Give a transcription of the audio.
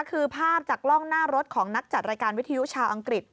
คือภาพจากกล้องหน้ารถของนักจัดรายการวิทยุชาวอังกฤษ